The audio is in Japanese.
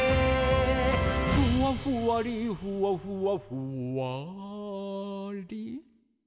「ふわふわりふわふわふわり」